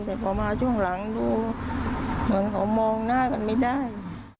แต่พอมาช่วงหลังดูเหมือนเขามองหน้ากันไม่ได้